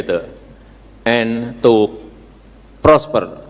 dan untuk berkembang bersama